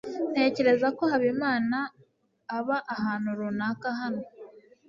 Ntekereza ko Habimana aba ahantu runaka hano.